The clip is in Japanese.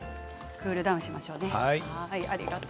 クールダウンしましょうかね。